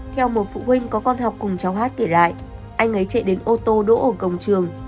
theo một phụ huynh có con học cùng cháu hát kể lại anh ấy chạy đến ô tô đỗ ở cổng trường